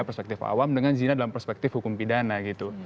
perspektif awam dengan zina dalam perspektif hukum pidana gitu